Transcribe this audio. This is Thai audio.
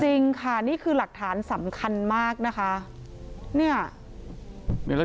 จริงค่ะนี่คือหลักฐานสำคัญมากนะคะ